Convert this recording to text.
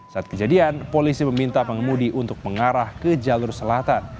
saat kejadian polisi meminta pengemudi untuk mengarah ke jalur selatan